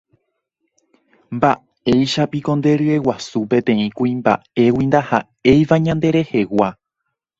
Mba'éichapiko nderyeguasu peteĩ kuimba'égui ndaha'éiva ñanderehegua